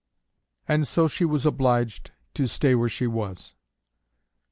And so she was obliged to stay where she was.